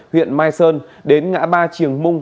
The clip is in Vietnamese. huyện mai sơn đến ngã ba triềng mung